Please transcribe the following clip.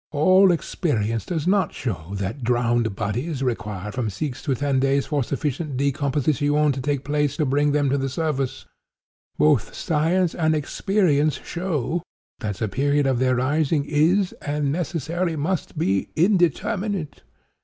All experience does not show that 'drowned bodies' require from six to ten days for sufficient decomposition to take place to bring them to the surface. Both science and experience show that the period of their rising is, and necessarily must be, indeterminate.